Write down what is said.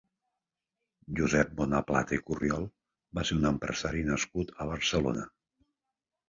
Josep Bonaplata i Corriol va ser un empresari nascut a Barcelona.